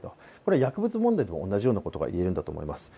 薬物問題でも同じようなことが言えるんだと思います。